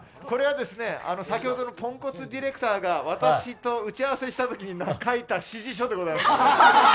これは先ほどのポンコツディレクターが私と打ち合わせした時に描いた指示書でございます。